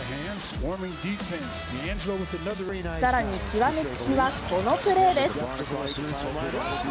更に極め付きはこのプレーです。